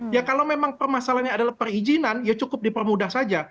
ya kalau memang permasalahannya adalah perizinan ya cukup dipermudah saja